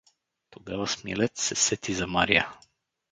Тогава Смилец се сети за Мария.